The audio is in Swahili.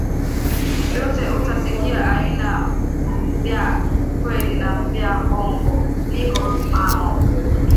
Byote uta sikia aina bya kweli na bya bongo biko amo